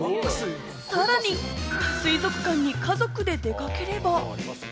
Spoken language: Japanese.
さらに水族館に家族で出かければ。